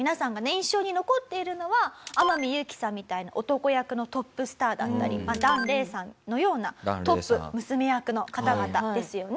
印象に残っているのは天海祐希さんみたいな男役のトップスターだったり檀れいさんのようなトップ娘役の方々ですよね。